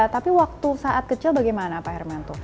tapi waktu saat kecil bagaimana pak hermanto